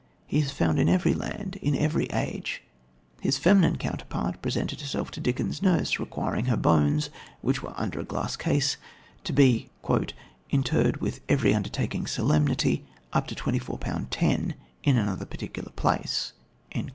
He is found in every land, in every age. His feminine counterpart presented herself to Dickens' nurse requiring her bones, which were under a glass case, to be "interred with every undertaking solemnity up to twenty four pound ten, in another particular place."